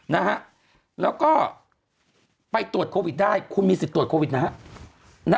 นะฮะแล้วก็ไปตรวจโควิดได้คุณมีสิทธิ์ตรวจโควิดนะฮะ